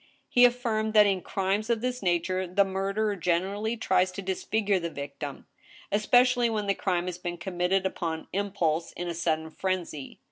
He affirmed that in crimes of this nature the murderer generally tries to disfigfure the victim, especially when the crime has been committed upon impulse, in a sudden frenzy.